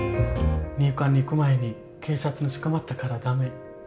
入管に行く前に警察に捕まったから駄目。